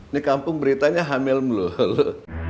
di kampung beritanya hamil melulu